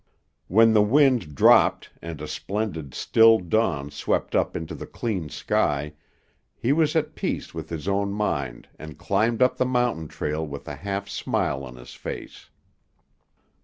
When the wind dropped and a splendid, still dawn swept up into the clean sky, he was at peace with his own mind and climbed up the mountain trail with a half smile on his face.